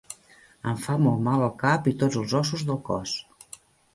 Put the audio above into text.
Em fa molt mal el cap i tots els ossos del cos.